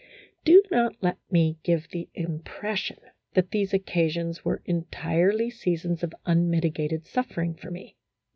Do not let me give the impression that these oc casions were entirely seasons of unmitigated suffer ing for me.